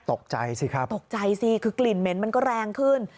ตกใจสิครับตกใจสิคือกลิ่นเหม็นมันก็แรงขึ้น